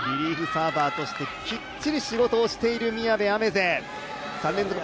サーバーとしてきっちり仕事をしている宮部愛芽世。